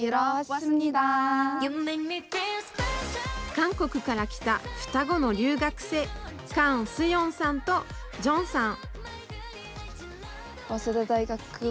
韓国から来た双子の留学生カン・スヨンさんとジョンさん。